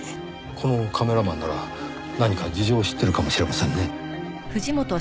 このカメラマンなら何か事情を知ってるかもしれませんね。